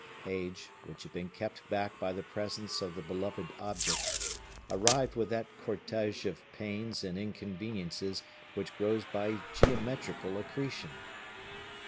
Age, which had been kept back by the presence of the beloved object, arrived with that cortege of pains and inconveniences, which grows by geometrical accretion.